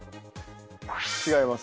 違います。